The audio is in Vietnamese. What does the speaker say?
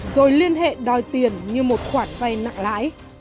rồi liên hệ đòi tiền như một khoản vay nặng lãi